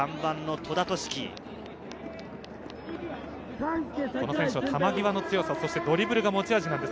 戸田選手は球際の強さ、ドリブルが持ち味です。